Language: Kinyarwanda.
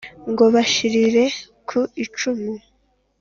Ngo bashirire ku icumu.